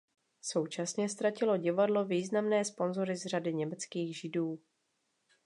Současně ztratilo divadlo významné sponzory z řad německých Židů.